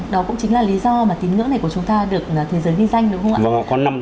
đó cũng chính là lý do mà tín ngưỡng này của chúng ta được thế giới vinh danh đúng không ạ